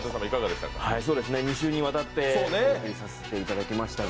２週にわたってお送りさせていただきましたｇ